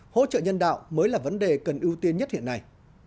hỗ trợ nhân đạo mới là vấn đề cần ưu tiên nhất hiện nay